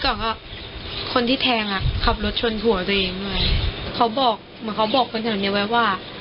เพราะว่าคนที่แทงอ่ะขับรถชนถั่วตัวเองด้วยเขาบอกเหมือนเขาบอกเพราะฉะนั้นเนี่ยไว้ว่า